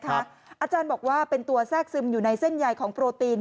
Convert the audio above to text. อาจารย์บอกว่าเป็นตัวแทรกซึมอยู่ในเส้นใหญ่ของโปรตีน